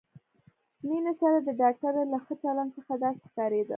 مينې سره د ډاکټرې له ښه چلند څخه داسې ښکارېده.